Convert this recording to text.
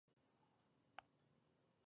ایا ستاسو ځواني په نیکۍ تیره نه شوه؟